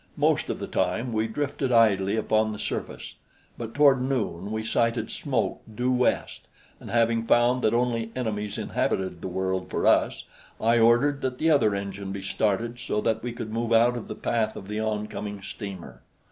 Most of the time we drifted idly upon the surface, but toward noon we sighted smoke due west, and having found that only enemies inhabited the world for us, I ordered that the other engine be started so that we could move out of the path of the oncoming steamer.